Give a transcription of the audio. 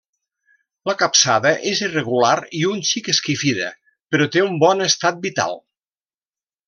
La capçada és irregular i un xic esquifida, però té un bon estat vital.